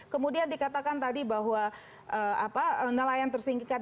kemudian dikatakan tadi bahwa nelayan tersingkirkan